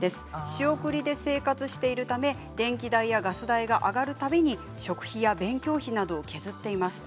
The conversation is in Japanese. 仕送りで生活しているため、電気代やガス代が上がるたびに食費や勉強費など削っています。